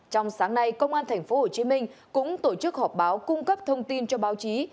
trong sáng nay công an tp hcm cũng tổ chức họp báo cung cấp thông tin cho báo chí